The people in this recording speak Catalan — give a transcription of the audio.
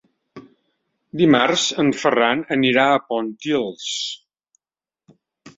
Dimarts en Ferran anirà a Pontils.